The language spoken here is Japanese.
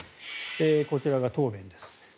こちらが答弁です。